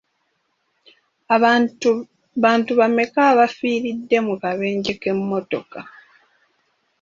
Bantu bameka abaafiiridde mu kabenje k'emmotoka?